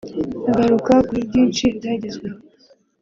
Agaruka kuri byinshi byagezweho